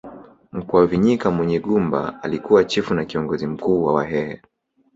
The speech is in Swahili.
Mkwavinyika Munyigumba alikuwa chifu na kiongozi mkuu wa wahehe